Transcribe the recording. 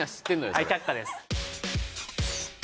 それはい却下です